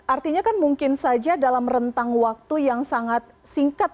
artinya kan mungkin saja dalam rentang waktu yang sangat singkat